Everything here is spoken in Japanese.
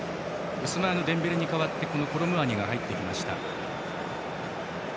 ウスマーヌ・デンベレに代わってコロムアニが入りました。